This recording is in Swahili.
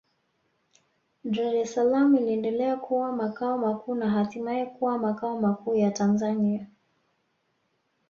Dar es Salaam iliendelea kuwa makao makuu na hatimaye kuwa makao makuu ya Tanzania